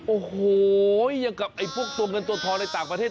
โอ้โหอย่างกับไอ้พวกตัวเงินตัวทองในต่างประเทศ